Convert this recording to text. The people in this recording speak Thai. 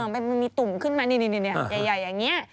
มันมีตุ่มขึ้นมานี่ใหญ่อย่างนี้